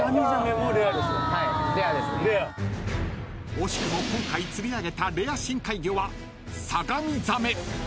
［惜しくも今回釣り上げたレア深海魚はサガミザメ］